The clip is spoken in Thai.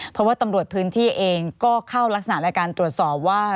เพราะว่าตำรวจพื้นที่เองก็เข้ารักษณะในการตรวจสอบว่า